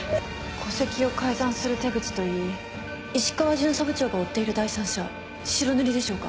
戸籍を改ざんする手口といい石川巡査部長が追っている第三者白塗りでしょうか？